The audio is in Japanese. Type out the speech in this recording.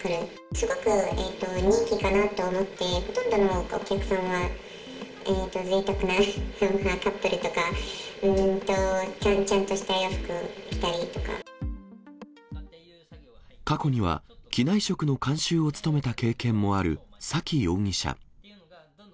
すごく人気かなと思って、ほとんどのお客さんは、ぜいたくなカップルとか、過去には、機内食の監修を務めた経験もある崎容疑者。